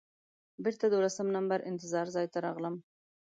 بېرته دولسم نمبر انتظار ځای ته راغلم.